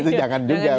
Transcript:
itu jangan juga